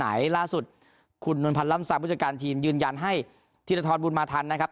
ในปีล่าสุดคุณนวรรณภันรัมศาสตร์ผู้จัดการทีมยืนยันให้ที่ราทรบุญมาทันนะครับ